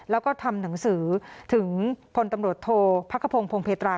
แล้วก็ทำหนังสือถึงพลตำรวจโทษพระกระพงพงเพตรา